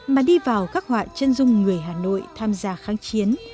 mà đi vào khắc họa chân dung người hà nội tham gia kháng chiến